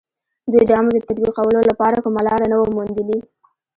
دوی د امر د تطبيقولو لپاره کومه لاره نه وه موندلې.